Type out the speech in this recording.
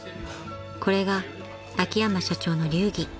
［これが秋山社長の流儀］